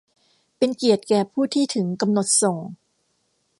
เป็นเกียรติแก่ผู้ที่ถึงกำหนดส่ง !